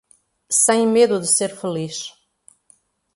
Sem medo de ser feliz